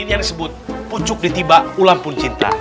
yang disebut pucuk ditiba ulam pun cinta